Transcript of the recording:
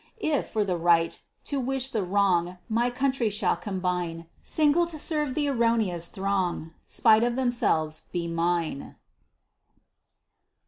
If, for the right, to wish the wrong My country shall combine, Single to serve th' erron'ous throng, Spite of themselves, be mine.